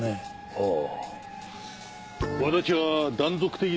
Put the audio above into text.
ああ